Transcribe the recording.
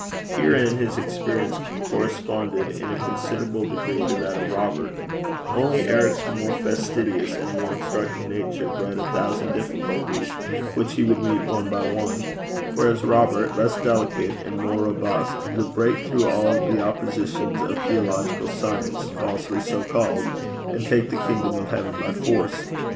Herein his experience corresponded in a considerable degree to that of Robert; only Eric's more fastidious and more instructed nature bred a thousand difficulties which he would meet one by one, whereas Robert, less delicate and more robust, would break through all the oppositions of theological science falsely so called, and take the kingdom of heaven by force.